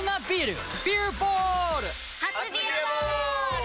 初「ビアボール」！